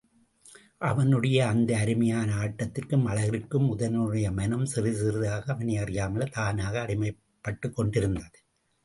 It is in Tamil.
அவளுடைய அந்த அருமையான ஆட்டத்திற்கும் அழகிற்கும் உதயணனுடைய மனம் சிறிது சிறிதாக அவனையறியாமலே தானாக அடிமைப்பட்டுக் கொண்டிருந்தது.